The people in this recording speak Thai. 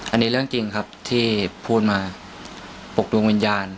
อันนี้เรื่องจริงครับที่พูดมาปกดวงวิญญาณ